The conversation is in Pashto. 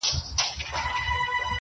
وعده پر رسېدو ده څوک به ځي څوک به راځي.!